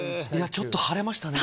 ちょっと晴れましたね。